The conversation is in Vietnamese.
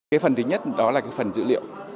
cái phần thứ nhất đó là cái phần dữ liệu